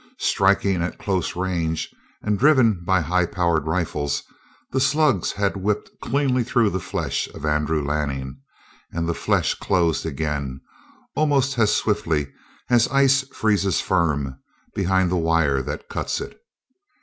Striking at close range and driven by highpower rifles, the slugs had whipped cleanly through the flesh of Andrew Lanning, and the flesh closed again, almost as swiftly as ice freezes firm behind the wire that cuts it.